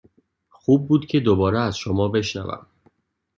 خوب بود که دوباره از شما بشنوم.